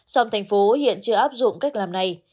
song thành phố hiện chưa áp dụng cách làm này